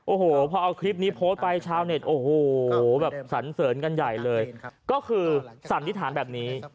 โอ้โหพอเอาคลิปนี้โพสต์ไปชาวเน็ตโอ้โหแบบสันเสริญกันใหญ่เลยก็คือสันนิษฐานแบบนี้